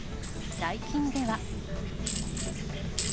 最近では。